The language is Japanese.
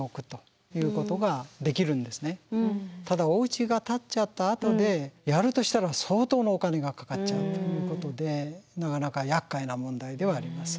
ただおうちが建っちゃったあとでやるとしたら相当のお金がかかっちゃうということでなかなかやっかいな問題ではあります。